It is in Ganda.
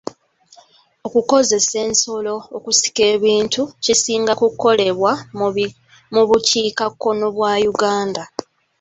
Okukozesa ensolo okusika ebintu kisinga kukolebwa mu bukiikakkono bwa Uganda.